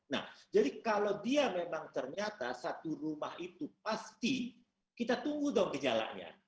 nah jadi kalau dia memang ternyata satu rumah itu pasti kita tunggu dong gejalanya